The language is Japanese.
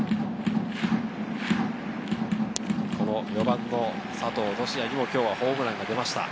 ４番の佐藤都志也にも今日ホームランが出ました。